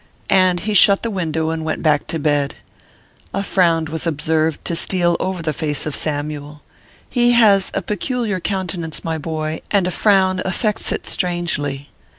And he shut the window, and went back to bed. A frown was observed to steal over the face of Sam yule. He has a peculiar countenance, my boy, and a frown affects it strangely.